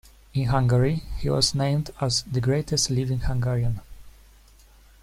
In Hungary he was named as "The Greatest Living Hungarian".